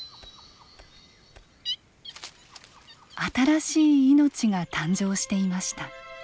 新しい命が誕生していました。